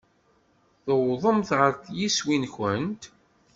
Tewwḍemt ɣer yiswi-nkent?